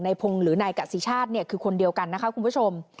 ในพงศ์หรือในกัศชาติคือคนเดียวกันนะคะคุณผู้ชม